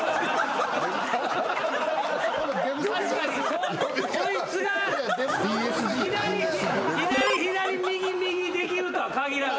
確かにこいつが左左右右できるとは限らない。